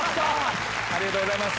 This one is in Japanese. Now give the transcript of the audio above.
ありがとうございます。